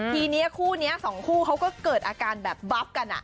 ทีนี้คู่นี้สองคู่เขาก็เกิดอาการแบบบับกัน